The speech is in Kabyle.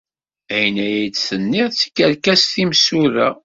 Ayen ay d-tenniḍ d tikerkas timsura.